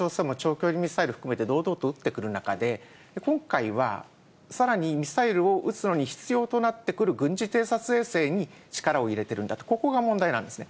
それは予告抜きで、北朝鮮も長距離ミサイル含めて堂々と撃ってくる中で、今回は、さらにミサイルを打つのに必要となってくる軍事偵察衛星に力を入れてるんだと、ここが問題なんですね。